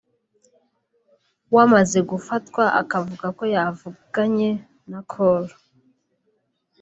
wamaze gufatwa akavugako yavuganye na Col